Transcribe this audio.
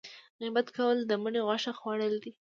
غیبت کول د مړي غوښه خوړل دي